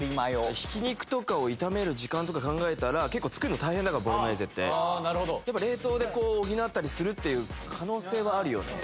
ひき肉とかを炒める時間とか考えたら結構作るの大変だからボロネーゼってああなるほどやっぱ冷凍で補ったりするっていう可能性はあるよね